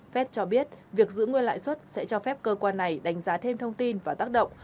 fed cho biết việc giữ nguyên lãi suất sẽ cho phép cơ quan này đánh giá thêm thông tin và tác động